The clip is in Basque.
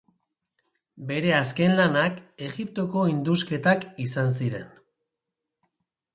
Bere azken lanak Egiptoko indusketak izan ziren.